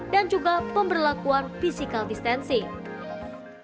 dan juga pemberlakuan physical distancing